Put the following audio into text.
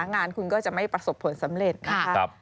งานคุณก็จะไม่ประสบผลสำเร็จนะครับ